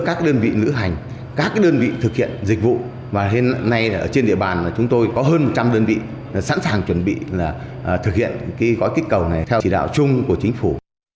các đơn vị thực hiện dịch vụ và hiện nay trên địa bàn chúng tôi có hơn một trăm linh đơn vị sẵn sàng chuẩn bị thực hiện gói kích cầu này theo chỉ đạo chung của chính phủ